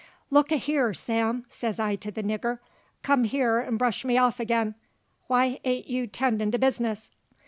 "Look a' hyar, Sam," says I to the nigger, "come hyar 'nd bresh me off ag'in! Why ain't you 'tendin' to bizness?"